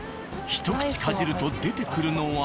ひと口かじると出てくるのは。